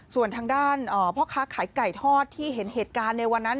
ส่วนทางด้านพ่อค้าขายไก่ทอดที่เห็นเหตุการณ์ในวันนั้น